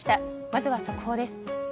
まずは速報です。